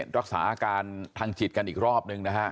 รักษาอาการทางจิตกันอีกรอบนึงนะฮะ